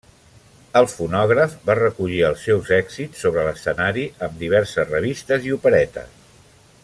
El fonògraf va recollir els seus èxits sobre l'escenari amb diverses revistes i operetes.